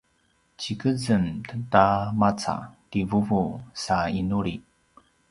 tjikezem ta maca ti vuvu sa inuli